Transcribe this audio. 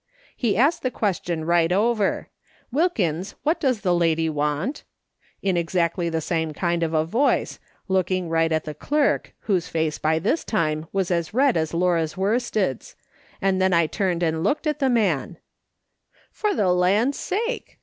He asked the question right over: 'Wilkins, what does the lady want?' in exactly the same kind of voice, looking right at the clerk, whose face by this time was as red as Laura's worsteds, and then I turned and looked at the maa I *'YOU ARE RIGHT, I AM A RELATIONr 199 "' For the land's sake